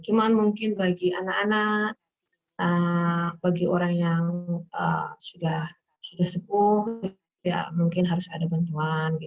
cuma mungkin bagi anak anak bagi orang yang sudah sepuh ya mungkin harus ada bantuan